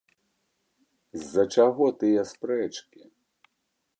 З-за чаго тыя спрэчкі?